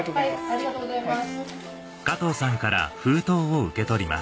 ありがとうございます。